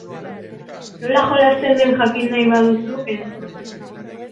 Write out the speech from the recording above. Nola jolasten den jakin nahi baduzu, entzun!